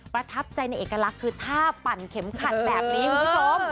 ประทับใจในเอกลักษณ์คือถ้าปั่นเข็มขัดแบบนี้คุณผู้ชม